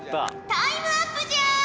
タイムアップじゃ！